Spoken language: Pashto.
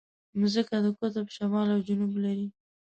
مځکه د قطب شمال او جنوب لري.